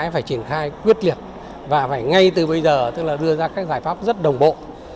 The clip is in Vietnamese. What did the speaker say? phải triển khai quyết liệt và phải ngay từ bây giờ đưa ra các giải pháp rất đồng bộ